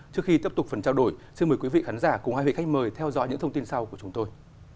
trước khi tiếp tục phần trao đổi xin mời quý vị khán giả cùng hai vị khách mời theo dõi những thông tin sau của chúng tôi